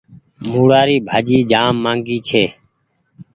موُڙآ ري ڀآجي جآم ماگي هيتي۔